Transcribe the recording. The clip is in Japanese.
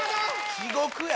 地獄や！